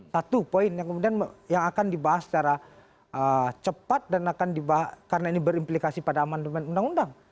satu poin yang kemudian yang akan dibahas secara cepat dan akan dibahas karena ini berimplikasi pada amandemen undang undang